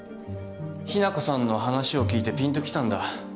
日奈子さんの話を聞いてぴんときたんだ。